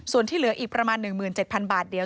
ส่วนที่เหลืออีกประมาณ๑๗๐๐บาทเดี๋ยว